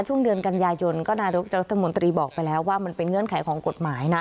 ช่วงเดือนกันยายนก็นายกรัฐมนตรีบอกไปแล้วว่ามันเป็นเงื่อนไขของกฎหมายนะ